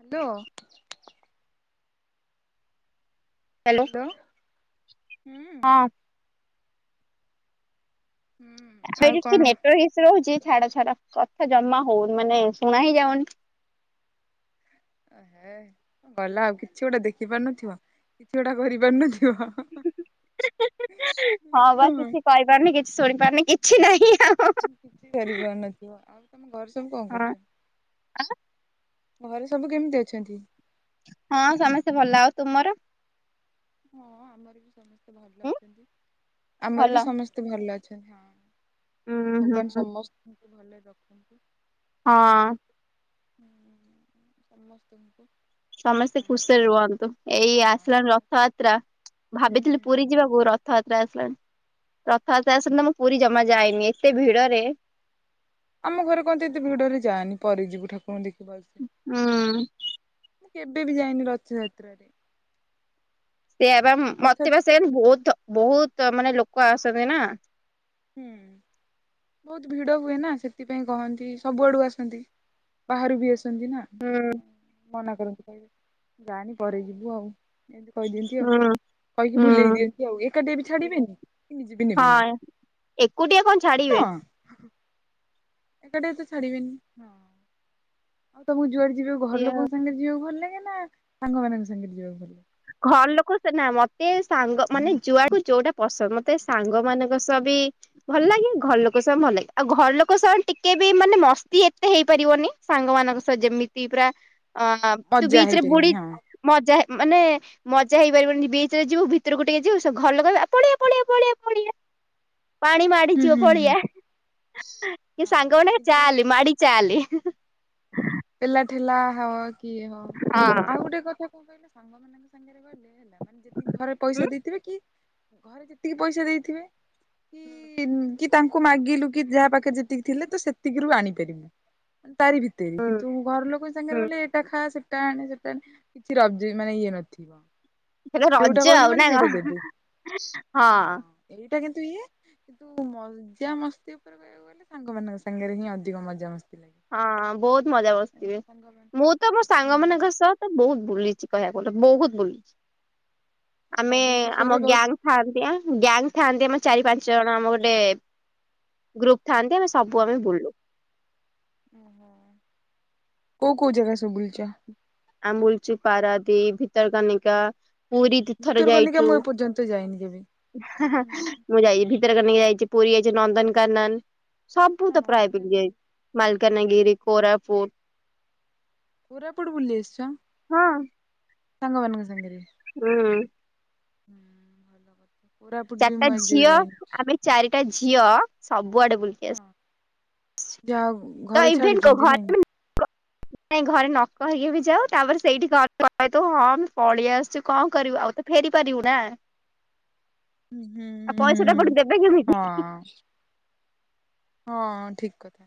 Hello. Hello ହଁ। ଆମେ ହୁଁ। ଆଡ଼େ ଆଉ କିଛି କଣ ନେଟୱାର୍କ ଇସ୍ୟୁ ରହୁଛି? ଛାଡ ଛାଡ କଥା ଜମା ହଉନି ମାନେ ଶୁଣା ହିଁ ଯାଉନି। ହେ ଗଲା ଆଉ କିଛି ଗୋଟେ ଦେଖି ପାରୁନଥିବ କିଛି ଗୋଟେ କରିପାରୁନଥିବ ହଁ ବା କିଛି କହିପାରୁନି କିଛି ଶୁଣିପାରୁନି କିଛି ନାହିଁ। କିଛି କରି ପାରୁନଥିବ ଆଉ ତମ ଘରେ ସବୁ କଣ ହଁ କରୁଛନ୍ତି? ଘରେ ସବୁ କେମିତି ଅଛନ୍ତି? ହଁ ସମସ୍ତେ ଭଲ ଆଉ ତୁମର? ହଁ ଆମର ବି ସମସ୍ତେ ଭଲ ହୁଁ ଅଛନ୍ତି ଆମର ବି ଭଲ ସମସ୍ତେ ଭଲ ଅଛନ୍ତି। ଅଛନ୍ତି ଉୁଁ ହଁ। ଭଗବାନ ହୁଁ ସମସ୍ତ ଭଲରେ ରଖନ୍ତୁ। ହଁ। ହୁଁ ସମସ୍ତଙ୍କୁ ସମସ୍ତେ କାହା ହଁ ଖୁସିରେ ରୁହନ୍ତୁ ଏଇ ଆସିଲାଣି ରଥଯାତ୍ରା ତ୍ରା ଭାବିଥିଲି ପୁରୀ ଯିବାକୁ ରଥଯାତ୍ରା ଲାଣି ରଥାଯାତ୍ରା ଆସନ୍ତା ମୁଁ ପୁରୀ ଜମା ଯାଇନି ଏତେ ଭିଡରେ ଆମ ଘରେ କହନ୍ତି ଏତେ ଭିଡ ରେ ଯାନି ପରେ ଯିବୁ ଠାକୁରଙ୍କୁ ଦେଖି। ଭଲସେ। ହୁଁ। କେବେ ବି ଯାଇନି ରଥଯାତ୍ରାରେ। ସେଇଆ ବା ରଥ ମତେ ବା ସେମ୍ ବହୁତ ବହୁତ ତ ମାନେ ଲୋକ ଆସନ୍ତି ନା ହୁଁ ବହୁତ ଭିଡ ହୁଏ ନା ସେଥିପାଇଁ କହନ୍ତି ସବୁଆଡୁ ଆସନ୍ତି ବାହାରୁ ବି ଆସ ସନ୍ତି ନା। ହୁଁ ମନା କରନ୍ତି ଯାନି ପରେ ଯିବୁ ଆଉ। ଏମିତି କହିଦିଅନ୍ତି ଆଉ ହୁଁ କହିକି ହୁଁ ଭୁଲେଇ ଦିଅନ୍ତି ଆଉ। ଟଙ୍କା ଟିଏବି ଛାଡ଼ିବେନି। ନିଯେବି ନେବେନି। ହଁ ଏକୁଟିଆ କଣ ନା ଛାଡିବେ। ଏକାଟିଆ ତ ଛାଡିବେନି ତ ମୁଁ ଯୁଆଡେ ଯିବ ଘର ଇଏ ଲୋକଙ୍କ ସାଙ୍ଗରେ ଯିବାକୁ ଭଲ ଲାଗେ। ସାଙ୍ଗ ମାନଙ୍କ ସାଙ୍ଗରେ ଯିବାକୁ ଭଲ ଲାଗେ। ଘର ଲୋକ ସେ ନା ମତେ ସାଙ୍ଗ ମାନେ ଯୋଆକୁ ଯୋଉଟା ପସନ୍ଦ ମତେ ସାଙ୍ଗ ମାନଙ୍କ ସହ ବି ଭଲ ଲାଗେ ଘର ଲୋକ ସହ ଭଲ ଲାଗେ ଆଉ ଘର ଲୋକଙ୍କ ସହ ଟିକେ ବି ମାନେ ମସ୍ତି ଏତେ ହେଇପାରିବନି ସାଙ୍ଗମାନଙ୍କ ସହ ଯେମିତି ପୁରା। ଅ ତୁ ମଜା ବିଚ୍ ରେ ବୁଢୀ ହେଇପାରିବନି ହଁ ମଜା ମାନେ ମଜା ହେଇ ପାରିବନି ବିଚ୍ ରେ ଯିବୁ ଭିତୁରକୁ ଟିକେ ଯିବୁ ଘରଲୋକ କହିବେ ଆ ପଳେଇଆ ପଳେଇଆ ପଳେଇଆ। ପାଣି ମାଡି ହୁଁ ଯିବ ହୁଁ ହୁଁ ପଳେଇଆ। [inaudible] କି ହଁ ସାଙ୍ଗମାନେ କହିବେ କିନ୍ତୁ ଚାଲେ ମାଡ଼ି ଚାଲେ। ପେଲା ଠେଲା ହ କିଏ ହଁ ଆଉ ହଁ। ଗୋଟେ କଥା କଣ କହିଲେ ସାଙ୍ଗମାନଙ୍କ ସାଙ୍ଗରେ ଗଲେ ହେଲା ମାନେ ଯେତିକି ଘରେ ହୁଁ ପଇସା ଦେଇଥିବେ କି ଘରେ ଯେତିକି ପଇସା ଦେଇଥିବେ କି କି ତାଙ୍କୁ ମାଗିଲୁ କି ଯାହା ପାଖରେ ଯେତିକି ଥିଲା ତ ସେତିକିରୁ ଆଣିପାରିବୁ ତାରି ଭିତେରେ ହୁଁ କିନ୍ତୁ ଘର ଲୋକଙ୍କ ସାଙ୍ଗରେ ଗଲେ ଏଇଟା ଖା ସେ ଏଟା ଆଣେ ସେଟା ଆଣେ କିଛି ରାଜି ମାନେ ଇଏ ନଥିବ। ଗୋଟେ ଯୋଉଟା ରଜ କହିଲୁ ଆଉ ମାନେ ନା ସେଇଟା କଣ ଦେବେ ହଁ। ଏଟା କିନ୍ତୁ ଇଏ କିନ୍ତୁ ମଜା ମସ୍ତି ଉପରେ କହିବାକୁ ଗଲେ ସାଙ୍ଗମାନଙ୍କ ସାଙ୍ଗରେ ହିଁ ଅଧିକ ମଜାମସ୍ତି। ହଁ ବହୁତ ମଜା ବସିଥିବେ ସାଙ୍ଗମାନେ ମୁଁ ତ ମୋ ସାଙ୍ଗ ମାନଙ୍କ ହୁଁ ସହ ତ ବହୁତ ବୁଲିଚି। କହିବାକୁ ଗଲେ ବହୁତ ବୁଲିଚି। ହଁ ଆମେ ଆମ ଭୁବନେଶ୍ଵରରେ ବହୁତ ଗ୍ୟାଙ୍ଗ ଥାଆନ୍ତି ଆ ଗ୍ୟାଙ୍ଗ ଥାଆନ୍ତି ଆମ ହୁଁ। ଚାରି ପାଞ୍ଚ ଜଣ ଆମ ଗୋଟ୍ ଟେ ଗ୍ରୁପ୍ ଥାନ୍ତି ଆମେ ହୁଁ ସବୁ ଆମେ ବୁଲୁ। କୋଉ କୋଉ ଜାଗା ସବୁ ବୁଲିଚ? ବୁଲୁଚି ପାରାଦୀପ, ଭିତରକାନିକା ପୁରୀ ତୀର୍ଥରେ ଭିତରକନିକା ଯାଇଚୁ ମୁଁ ଏପର୍ଯ୍ୟନ୍ତ ଯାଇନି କେବେ। ହୁଁ ମୁଁ ଯାଇଚି ଭିତରକନିକା ଯାଇଚି। ପୁରୀ ଯାଇଚି ନନ୍ଦନକାନନ। ସବୁ ହଁ ତ ପ୍ରାୟ ବୁଲ ନନ୍ଦନକାନନ ଯାଏଚି ମାଲ କାନାଗିରି କୋରାପୁଟ୍ କୋରା କୁଆଡେ ବୁଲିଆସିଚ। ସାଙ୍ଗମାନଙ୍କ ସାଙ୍ଗରେ। ହୁଁ ହୁଁ ଭଲ କଥା କୋରାପୁଟ ବି ଚାରିଟା ମୁଁ ଆଜି ଯାଏ ଝିଅ ଯାଇନି। ଆମେ ଚାରି ତା ଝିଅ ସବ । କୁଆଡେ ବୁଲକେ ହଁ। ଆସ ଯାହା ହଉ ଘରେ ଛାଡୁଛନ୍ତି ନାଇଁ ଘରେ । ନାଇଁ ଘରେ ନକହିକି ବି ଯାଉ ତାପରେ ସେଇଠି କଲ କ କହିଦେଉ ହଁ ପଳେଇ ଆସିଛୁ କଣ କରିବୁ ଆଉ ତ ଫେରି ପାରିବୁ ନା । ହୁଁ ହୁଁ ଆଉ ହୁଁ ହୁଁ। ପଇସାଟା ପୁଣି ଦେବେ କେମିତି । ହଁ ହଁ ଠିକ କଥା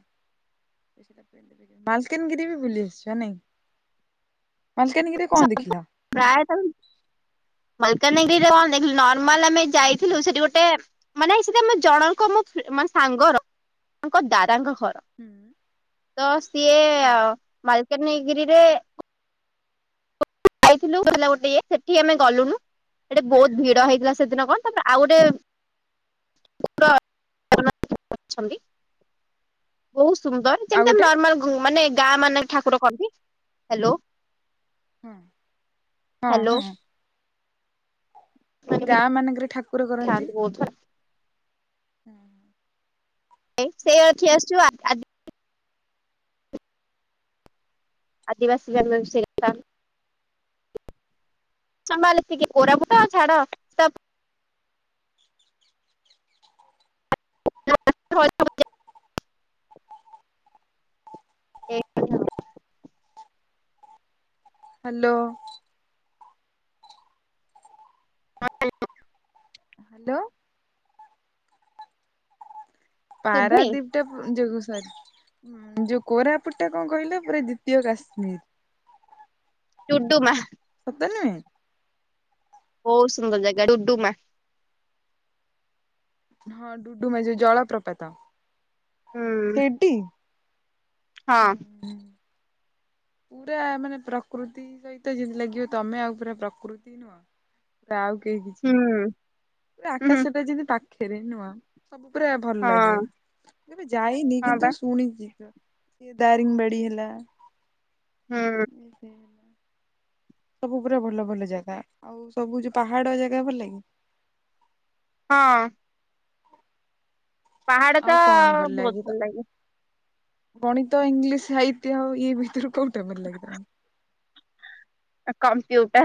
ମାଲକାନଗିରି ବି ବୁଲି ଆସିଛ ନାଇଁ । [unintelligible] ମାଲକାନଗିରି ରେ କଣ ଦେଖିଲୁ ନର୍ମାଲ ଆମେ ଯାଇଥିଲୁ ସେଠି ଗୋଟେ ମାନେ ସେଠି ଆମ ଜଣଙ୍କ ମୋ ଫେ ମୋ ସାଙ୍ଗର ତାଙ୍କ ଦାଦାଙ୍କ ଘ ଘର ତ ସିଏ ମାଲ୍ କାନଗିରିରେ ଯାଇଥିଲୁ ଗୋଟେ ଇଏ ସେଠି ଆମେ ଗଲୁନୁ ସେଠି ବହୁତ ଭିଡ ହେଇଥିଲା ସେଦିନ କଣ ତାପରେ ଆଉ ଗୋଟେ ବହୁ [unintelligible] ସୁନ୍ଦର ଆଉ ଯେମିତି ଗୋଟେ ନର୍ମାଲ ଗୁ ମାନେ ଗାଁ ମାନେ ଠାକୁର କନ୍ତି ହ୍ୟାଲୋ ହୁଁ ହଁ ହ୍ୟାଲୋ ହଁ । ମାନେ ବି ଗାଁ ମାନଙ୍କରେ ଠାକୁର କରନ୍ତି ଥାଆନ୍ତି ବହୁତ । ହୁଁ । ଏଇ ସେଇ ଏଠି ଆସି [unintelligible] ଛୁ ଆ ଆଜ ଆଦିିବାସିମାନେ [unintelligible] ସମ୍ଭାଳ ଓରାକୁୁଟା ଛାଡ ତା [unintelligible] [inaudible] ଏକ [unintelligible] ହାଲୋ ହ [unintelligible] ହାଲୋ । ଶୁଭୁନି ପାରାଦୀପ ଟା ଯୋଗୁସରି ଯୋଉ କୋରାପୁଟ ଟା କଣ କହିଲ ପୁରା ଦ୍ଵିତୀୟ କାଶ୍ମୀର । ଡୁଡୁମା । ସତରେ ନୁହେଁ । ବହୁତ ସୁନ୍ଦର ଜାଗା ଡୁଡୁମା । ହଁ ଡୁଡୁମା ଯୋଉ ଜଳ ପ୍ରପାତ । ହୁଁ ସେଇଟି ହୁଁ ହଁ । ପୁରା ମାନେ ପ୍ରକୃତି ସହିତ ଯେମତି ଲାଗିବ ତମେ ଆଉ ପୁରା ପ୍ରକୃତି ନୁହଁ ପୁରା ଆଉ କେହିକିଛି ନାହିଁ ହୁଁ । ଏ ହୁଁ ଆକାଶ ଟା ଜେମତି ପାଖ ଖେରେ ନୁଆଁ ସବୁ ପୁରା ଭଲ ଲାଗେ ହଁ କେବେ ଯାଇନି ହଁ କିନ୍ତୁ ବା ଶୁଣିଛି ତ । ଏ ଦାରିଙ୍ଗ ବାଡି ହେଲା । ହୁଁ ହ ସେ ସବୁ ପୁରା ଭଲ ଭଲ ଜାଗା ଆଉ ସବୁ ଯୋଉ ପାହାଡ ଜାଗା ଭଲ କି? ହଁ। ପାହାଡ ତ ବହୁତ ଭଲ ଲାଗେ। ଗଣିତ, ଇଂଲିଶ, ସାହିତ୍ୟ ହଉ ଏ ଭିତରୁ କଉ କେମଲ ଲାଗିଦ [unintelligible] କମ୍ପ୍ୟୁଟର।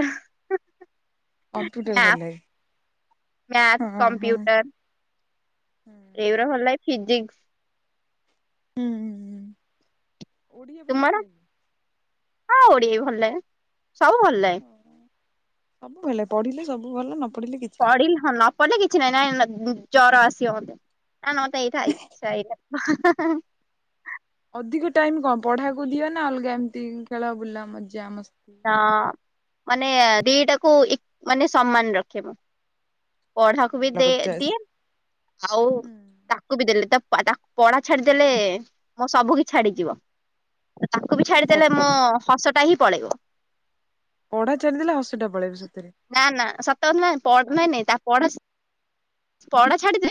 କମ୍ପ୍ୟୁଟର ଭଲ ମ୍ୟାଥ ଲାଗେ। ମ୍ୟାଥ, ହଁ ହଁ ହୁଁ କମ୍ପ୍ୟୁଟର ଏଗୁରା ଭଲ ଲାଗେ। ଫିଜିକ୍ସ। ଓଡ଼ିଆ ପଢିବାକୁ ତୁମର ଭଲ ଲାଗେ? ହଁ ଓଡିଆ ଭଲ ଲାଗେ। ସବୁ ଭଲ ଲାଗେ। ସବୁବେଳେ ପଢିଲେ ସବୁ ଭଲ ନ ପ ପଢିଲି ହ ନ ପଢିଲେ କି କିଛି ନାଇଁ ନାଇଁ ଜର ଆସିିବମୋତେ। ନା ନ ତ ଏଇଠାଇ ସେଇଟା [unintelligible] ଅଧିକ ଟାଇମ କଣ ପଢାକୁ ଦିଅ ନା ଅଲଗା ଏମିତି ଖେଳ ବୁଲା ମଜା ମସ୍ତ? ତ ମାନେ ଦିଟାକୁ ମାନେ ସମ୍ମାନ ରଖିବ। ପଢାକୁ ବି ଭଲ ଦେ କରିଛ ଆସି ଦିଏ ଆଉ ତାକୁ ବି ଦେଲେ ତା ପାଦା ପଢା ଛାଡିଦେଲେ ମୋ ସବୁକି ଛାଡିଯିବ। ତାକୁ ବି ଛାଡିଦେଲେ ସତ ମୋ କଥା ହସଟା ହିଁ ପଳେଇବ । ପଢା ଛାଡ଼ିଦେଲେ ହସଟା ପଳେଇବ। ସତରେ। ନା ନା ସତ ନାଇଁ ପଢ ଆଉ ନହିଁ ନାଇଁ ତା ପଢ ପଢା ଛାଡିଦେ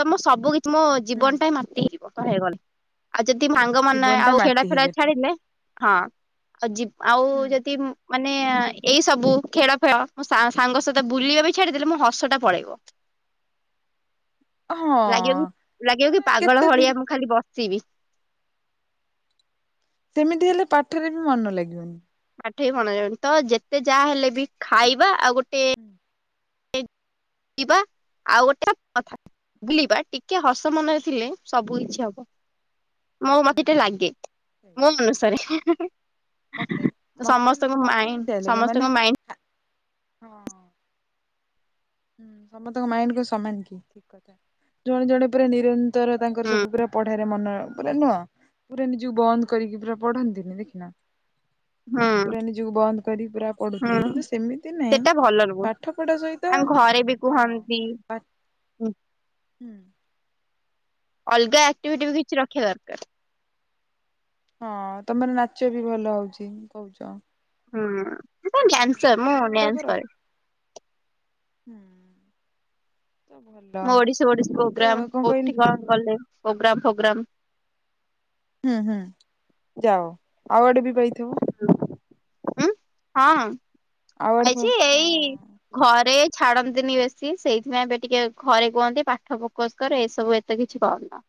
ତମ ସବୁ କି ମୋ ହୁଁ ଜୀବନଟା ମାଟି ହେଇଯିବ। କ ହେଇଗଲା ଆଉ ଯଦି ସାଙ୍ଗ ମାନେ ଜୀବନ ଟା ଆଉ ମାଟି ଖେଡ ଫେଡା ହେଇଯିବ ଠିକ। ଛାଡିଲେ ହଁ ଆଉ ଆଉ ହୁଁ ଯଦି ମ ମାନେ ଏଇ ସବୁ ଖେଳ ଫେଳ ସାଙ୍ଗ ସହିତ ବୁଲିବା ବି ଛାଡିଦେଲେ ମୋ ହସଟା ପଳେଇବ। ହଁ ଲାଗିବ କି ଲାଗିବ କି ମାନେ କେତେ ପାଗଳ ଦିନ ଭଳିଆ ମୁ ଖାଲି ବ ସିବି। ସେମିତି ହେଲେ ପାଠରେ ବି ମନ ଲାଗିବନି। ପାଠ କଣ ଯାଉ ତ ଯେତେ ଯାହା ହେଲେ ବି ଖାଇବା ଆଉ ଗୋଟେ ହୁଁ। କିଂବା ଆଉ ଗୋଟେ [unintelligible] ବୁଲିବା ଟିକେ ହସ ମନରେ ଥିଲେ ସବୁ କିଛି ହବ। ମୁଁ ମତେ ହୁଁ ଟିକେ ଲାଗେ ମୁଁ ସେଇଆ। ଅନୁସାରେ ମତେ ମତେ ସମସ୍ତଙ୍କ ମତେ ବି ମାଇଣ୍ଡ ସେୟ ଲାଗେ ମାନେ ସମସ୍ତଙ୍କ ମାଇଣ୍ଡ ହା ହଁ। ହୁଁ ସମସ୍ତଙ୍କ ମାଇଣ୍ଡ କ ସମାନ କି ଠିକ କଥା। ଜଣେ ଜଣେ ପୁରା ନିରନ୍ତର ତାଙ୍କର ସବୁ ପୁରା ପଢାରେ ମନ ପୁରା ନୁହଁ ପୁରା ନିଜକୁ ବନ୍ଦ କରିକି ପୁରା ପଢନ୍ତିନି ଦେଖିନ। ହୁଁ ପୁରା ନିଜକୁ ବନ୍ଦ କରିିବ ପୁରା ପଢୁଥିବି ହୁଁ କିନ୍ତୁ ସେମିତି ନାହିଁ ସେଟା ଭଲ ନୁହଁ ପାଠ ପଢା ସହିତ ତାଙ୍କ ଘରେ ବି ହଁ କୁହନ୍ତି [inaudible] ପା ହୁଁ ଅଲଗା ଆକ୍ଟିଭିଟି ବି କିଛି ରଖିବା ଦରକାର। ହଁ ତମର ନାଚ ବି ଭଲ ହଉଛି କହୁଚ। ହୁଁ ସେ ଡ୍ୟାନ୍ସର ମୁଁ ଗୁଡାକ ଡାନ୍ସ ର କରେ। [inaudible] ହୁଁ। ତ ଭଲ ମୁଁ ଓଡିଶୀ ଓଡିଶୀ ତ ପ୍ରୋଗ୍ରାମ କଣ କହିଲି କୋଉଠି କଣ ଗଲେ ପ୍ରୋଗ୍ରାମ ଫ୍ରୋଗ୍ରାମ ହୁଁ ହୁଁ ଯାଅ ଆଉଆଡେ ବି ହେଇଥିବ। ହୁଁ ହଁ। ଆୱାର୍ଡ ଆଇଛି ଏଇ ହଁ। ଘରେ ଛାଡନ୍ତିନି ବେଶୀ ସେଇଥିପାଇଁ ଏବେ ଟିକେ ଘରେ କୁହନ୍ତି ପାଠ ଫୋକସ କର ଏସବୁ ଏତେ କିଛି କରନା।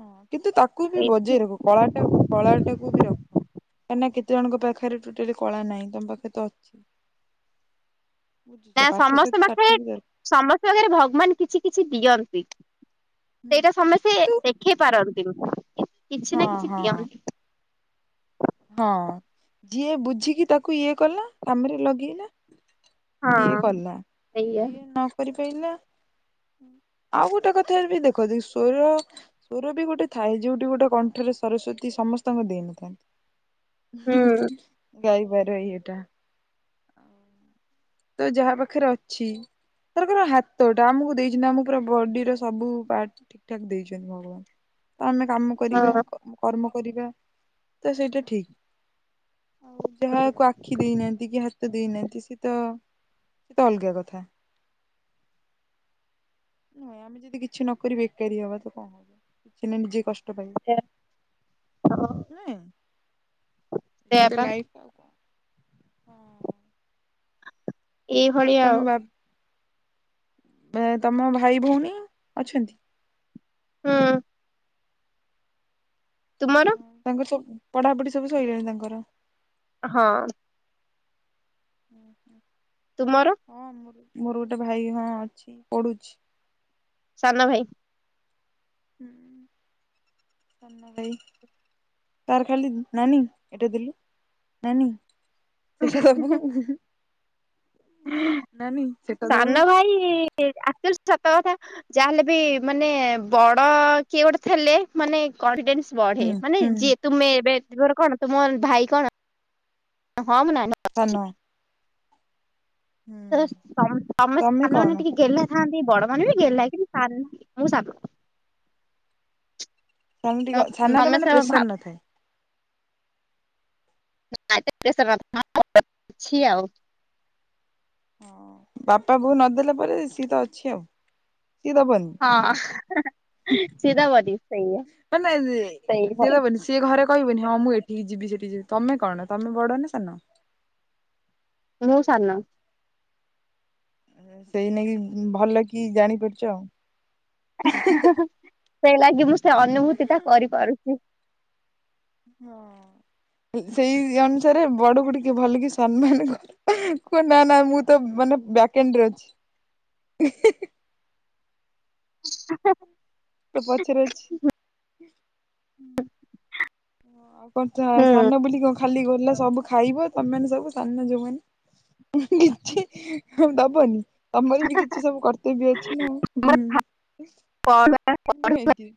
ହଁ। କିନ୍ତୁ ତାକୁ ବି ସେଇଥି ବଜେଇ ରଖ କଳାଟା କଳାଟାକୁ ବି ରଖ କାହିଁକି ନା କେତେ କେତେ ଜଣଙ୍କ ପାଖରେ ଟୋଟାଲି କଳା ନାହିଁ ତମ ପାଖରେ ତ ଅଛି। [inaudible] ନା ପାଠ ସମସ୍ତ ସହିତ ଷାଠ ପାଖରେ ବି ଦରକାର। ସମସ୍ତଙ୍କ ପାଖରେ ଭଗବାନ କିଛି କିଛି ଦିଅ ଦେଇ ହୁଁ। ସେଇଟା ସମେସ୍ତେ କିନ୍ତୁ ଦେଖେଇ ପାରନ [unintelligible] କିଛି ହଁ ନା କିଛି ହଁ ଦିଅନ୍ତି। ହଁ ଯିଏ ବୁଝିକି ତାକୁ ଇଏ କଲା କାମରେ ଲଗେଇଲା ସିଏ ହଁ କଲା ସେଇଆ। ଯିଏ ନ କରି ପା କହିଲା [inaudible] ଆଉ ଗୋଟେ କଥା ବି ଦେଖ ସୋର ସୋର ବି ଗୋଟେ ଥାଏ ଯୋଉଠି ଗୋଟେ କଣ୍ଠରେ ସରସ୍ଵତୀ ସମସ୍ତଙ୍କୁ ଦେଇନଥାନ୍ତି। ହୁଁ। [unintelligible] ଗାଇବାର ଇଏଟା [inaudible] ତ ଯାହା ପାଖରେ ଅଛି। ତାର ହାତଟା ଆମକୁ ଦେଇଛନ୍ତି ଆମର ବଡିର ସବୁ ପାର୍ଟ ଠିକ ଠାକ ଦେଇଛନ୍ତି ଭଗବାନ। ତ ଆମେ କାମ ହଁ କରିବା କର୍ମ କରିବା ତ ସେଇଟା ଠିକ୍ ଆଉ ହୁଁ ଯାହାକୁ ଆଖି ଦେଇନାହାନ୍ତି କି ହାତ ହୀତ ଦେଇନାହାନ୍ତି ସେ ତ ସେ ତ ଅଲଗା କଥା। ନୁହେଁ ଆମେ ଯଦି କିଛି ନକରି ବେକାରୀ ହବା ତ କଣ ହବ ସିନା ନିଜେ କଷ୍ଟ ଷ୍ଟ ସେଇଆ ହଁ ପାଇବ ନୁେହଁ। ସେଇଆ ଏତ ପା ଲାଇଫ୍ ଆଉ କଣ। ହଁ ଏଇ ଭଳିଆ ତମ ଆଉ ବା ତମ ଭାଇ ଭଉଣୀ ଅଛନ୍ତି। ହଁ ହଁ ତାଙ୍କ ପଢାପଢି ସବୁ ଶଇଲାଣି ତାଙ୍କର ହଁ। ହୁଁ ହୁଁ। ତୁମର ହଁ ମୁର। ମୋର ଗୋଟେ ଭାଇ ହଁ ଅଛି ପଢୁଛି। ସନା ଭାଇ। ହୁଁ ସାନଭାଇ ତ ଖାଲି ନାନି ଏଟା ଦେଲୁ ନାନି। ସେଟାଦବୁ ଦବୁ ସନ ଭାଇ ସତ କଥା ଯାହାହେଲେ ବି ମାନେ ବଡ କିଏ ଗୋଟେ ଥେଲେ ମାନେ କଡ। ବଢ଼େ ହୁଁ ମାନେ ହୁଁ ଯିଏ ମାନେ ତୁମେ ଏବେ ର କଣ ତୁମର ଭାଇ କଣ? ହଁ ମୁ ନାଇ ସାନ ହୁଁ ତ ତମେ ସାାନମାନେ ଟିକେ ଗେହ୍ଲା ଥାନ୍ତି ବଡ ମାନେ ବି ଗେହ୍ଲା କିରି [unintelligible] ସାଙ୍ଗ ଟିକେ ସାାନରେ ମାନେ ପ୍ରେସର ସମସ୍ତେ ନଥାଏ। ଆଉ ହଁ ବାପା ବୋ ନଦେଲା ପରେ ସିଏ ତ ଅଛି ଆଉ। ସିଏ ଦବନି ହଁ ସିଧା ବଧି ସଇଆ ମାନେ ସିଏ ସେଇ ଦବନି ସିଏ ଘରେ କହିବନି ହଁ ମୁଁ ଏଠିକି ଯିବି ସେଠି ଯିବି ତମେ କଣ ତମେ ବଡ ନା ସାନ ମୁଁ ସାନ ସେଇ ନେଇକି ଭଲ କି ଜାଣିପାରୁଛ ଆଉ। [unintelligible] ସେଇ ଲାଗି ମୁଁ ସେ ଅନୁଭୂତି ତ କରିପାରୁଛି। ସେଇ ଅନୁସାରେ ବଡକୁ ଟିକେ ଭଲ କି ସମ୍ମାନ କରି କୁହ ନା ନା ମୁଁ ତ ବ୍ୟାକେଣ୍ଡରେ ଅଛି‌ [unintelligible] [unintelligible] ତୋ ପଛେରେ ଅଛି। ହ ଆଉ ହୁଁ ସାନ ବୁଲି [unintelligible] ଖାଲି ଗଲା ସବୁ ଖାଇବ ତମମାନେ ସବୁ ସାନ ଯୋଉମାନେ, କିଛି ଦବନି? ତମର ବି କିଛି ସବୁ କର୍ତ୍ତବ୍ୟ ଅଛି ନା ଆଉ ହୁଁ ଆମର ପଢୁ ନୁହେଁ କି?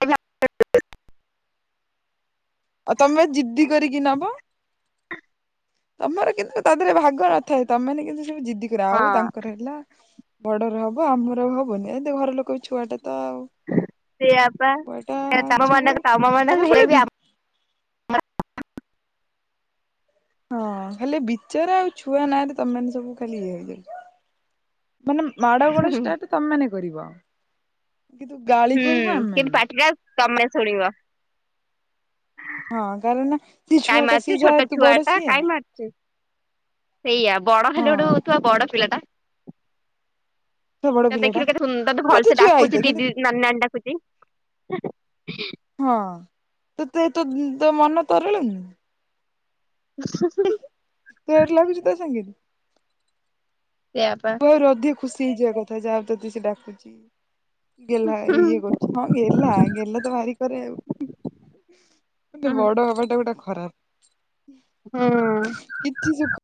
ଆଉ ତମେ ଜିଦ୍ଦି କରିକି ନବ। ତମର କିନ୍ତୁ ତା ଦେହରେ ଭାଗ ନଥାଏ ତମେମାନେ କିନ୍ତୁ। [inaudible] ଜିଦି କର ଆଉ ହଁ ତାଙ୍କର ହେଲା। ବଡର ହବ ଆମର ଆଉ ହବନି ଏମିତି ଘର ଲୋକ କହିବେ ଛୁଆଟା। ତ ଆଉ ସେଇଆ ପା ଛୁଆଟା [inaudible] ଛୁଆ ତମମାନଙ୍କ ତମମାନଙ୍କର ସବୁବେଳେ ବି ହେଇ [unintelligible] ହଁ ଖାଲି ବିଚରା ଆଉ ଛୁଆ ନାଁଆରେ ତମେମାନେ ସବୁ ଖାଲି ଇଏ ହେଇଯାଉଚ। ମାନେ ମାଡଗୋଳ ଷ୍ଟାର୍ଟ ତମମାନେ କରିବ? କିନ୍ତୁ ଗାଳି ହୁଁ ଖାଇବ କିନ୍ତୁ ଆମେମାନେ। ପାଟିଟା। ତମେ ଶୁଣିବ। ହଁ କାରଣ ତୁ କାଇଁ ଛୁଆଟା ସିଏ ମାରୁଛୁ ଯାଆ ତୁ ବଡ ସିଆ? ସେଇଆା ବଡ ହେଲେ [unintelligible] ଥିବ ବଡ ପିଲାଟା। ସେ ବଡ ତ ପିଲାଟା ଦେଖିଲୁ କେତେ ସୁନ୍ଦ୍ ତୁ ତ ପଛେ ଭଲସେ ଛୁଆ ହେଇଥା ଡାକୁଛି ଦିଦି କିନ୍ତୁ ଦିଦି ନାନୀ ନାନୀ ଡାକୁଛି ହୁଁ ହୁଁ ‌ ହଁଅ ତତେ ତ ତୋ ମନ ତରଳୁନି। [unintelligible] ତା ସାଙ୍ଗରେ। ସେଇଆପା। ତୁ ଆହୁରି ଅଧିକ ଖୁସି ହେଇଯିବା କଥା ଯାହାଉ ତତେ ସେ ଡାକୁଚି ଗେହ୍ଲା ଇଏ କରୁଛି ହଁ ଗେହ୍ଲା ଗେହ୍ଲା ତ ଭାରିି କରେ ଆଉ, ଆବେ ବଡ ହେବାଟା ଗୋଟେ ଖ ଖରାପ୍। ହୁଁ। କିଛିି ସୁଖ୍।